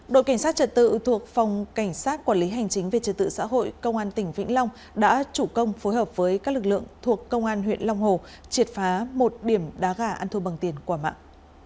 đội cảnh sát trật tự thuộc phòng cảnh sát quản lý hành chính về trật tự xã hội công an tỉnh vĩnh long đã chủ công phối hợp với các lực lượng thuộc công an huyện long hồ triệt phá một điểm đá gà ăn thua bằng tiền quả mạng